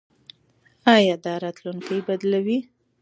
ایا دا راتلونکی بدلوي؟